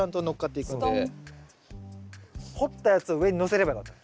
掘ったやつを上にのせればよかったの。